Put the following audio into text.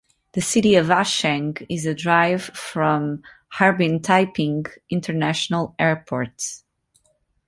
The city of Acheng is a drive from Harbin Taiping International Airport.